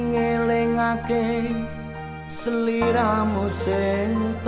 garis garis mendorong penulisan p gentel